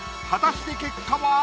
果たして結果は？